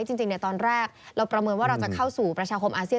จริงตอนแรกเราประเมินว่าเราจะเข้าสู่ประชาคมอาเซียน